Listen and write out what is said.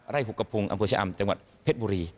หุกกระพุงอำเภอชะอำจังหวัดเพชรบุรี